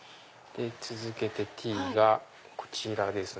続けてＴがこちらですね。